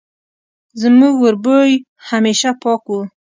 زموږ وربوی همېشه پاک وو